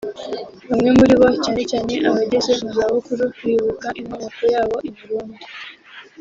Bamwe muri bo cyane cyane abageze mu zabukuru bibuka inkomoko yabo i Burundi